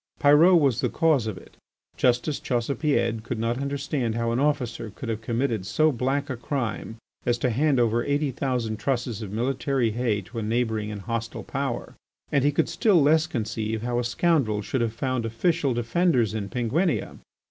Pyrot was the cause of it. Justice Chaussepied could not understand how an officer could have committed so black a crime as to hand over eighty thousand trusses of military hay to a neighbouring and hostile Power. And he could still less conceive how a scoundrel should have found official defenders in Penguinia.